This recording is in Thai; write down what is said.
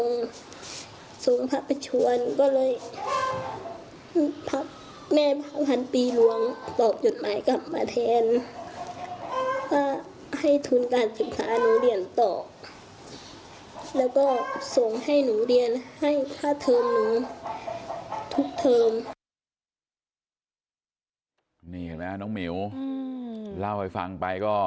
นี่เห็นไหมน้องหมิวเล่าให้ฟังไปก็